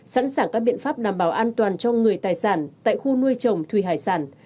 sẵn sàng các biện pháp đảm bảo an toàn cho người tài sản tại khu nuôi trồng thủy hải sản